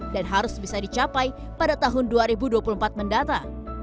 dan harus bisa dicapai pada tahun dua ribu dua puluh empat mendata